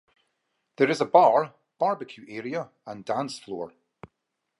There is a bar, barbecue area and dance floor.